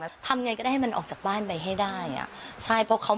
แล้วทำไงก็ได้ให้มันออกจากบ้านไปให้ได้อ่ะใช่เพราะเขา